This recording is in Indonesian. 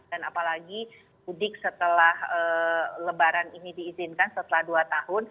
dan apalagi mudik setelah